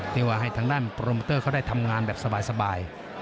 ที่ว่าให้ทางด้านโปรโมเตอร์เขาได้ทำงานแบบสบาย